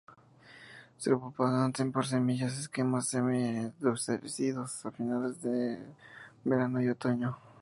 Se propagan por semillas o esquejes semi-endurecidos a finales verano y otoño.